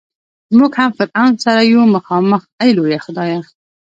مونږ هم فرعون سره یو مخامخ ای لویه خدایه.